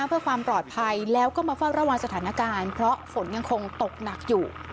เพื่อความปลอดภัยแล้วก็มาเฝ้าระวังสถานการณ์เพราะฝนยังคงตกหนักอยู่